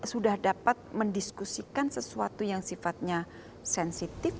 sudah dapat mendiskusikan sesuatu yang sifatnya sensitif